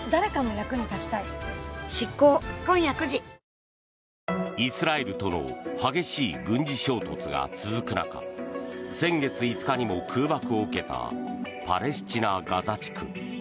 ニトリイスラエルとの激しい軍事衝突が続く中先月５日にも空爆を受けたパレスチナ・ガザ地区。